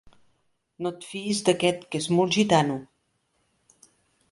No et fiïs d'aquest, que és molt gitano.